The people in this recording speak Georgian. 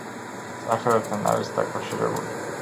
სახელებთან არის დაკავშირებული.